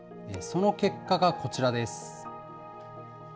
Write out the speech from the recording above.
その結果がこちらです。